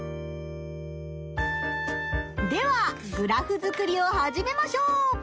ではグラフ作りを始めましょう！